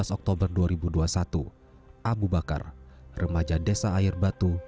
dua belas oktober dua ribu dua puluh satu abu bakar remaja desa air batu